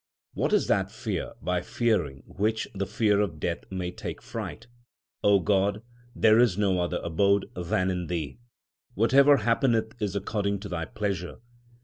What is that fear by fearing which the fear of Death may take fright ? God, there is no other abode than in Thee ; Whatever happeneth is according to Thy pleasure.